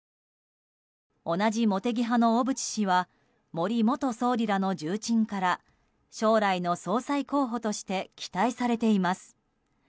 同じ茂木派の小渕氏は森元総理らの重鎮から将来の総裁候補として期待されています。